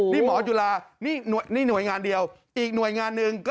นี่หมอจุฬานี่หน่วยงานเดียวอีกหน่วยงานหนึ่ง